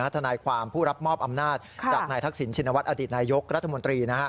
ทนายความผู้รับมอบอำนาจจากนายทักษิณชินวัฒนอดีตนายกรัฐมนตรี